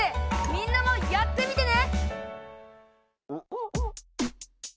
みんなもやってみてね！